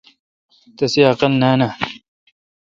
تسی عقل نان اؘ۔